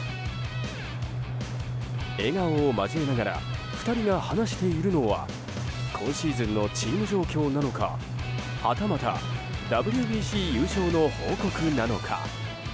笑顔を交えながら２人が話しているのは今シーズンのチーム状況なのかはたまたＷＢＣ優勝の報告なのか。